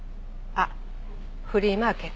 あっフリーマーケットや。